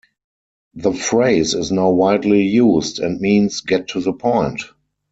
The phrase is now widely used, and means get to the point.